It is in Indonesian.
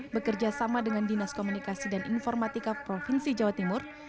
bekerja sama dengan dinas komunikasi dan informatika provinsi jawa timur